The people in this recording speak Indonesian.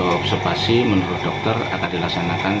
observasi menurut dokter akan dilaksanakan